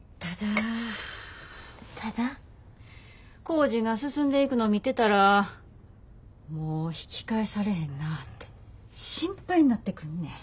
工事が進んでいくの見てたらもう引き返されへんなぁて心配になってくんねん。